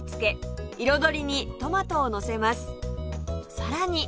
さらに